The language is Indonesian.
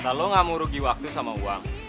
kata lo gak mau rugi waktu sama uang